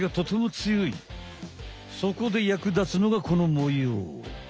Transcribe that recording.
そこで役立つのがこの模様。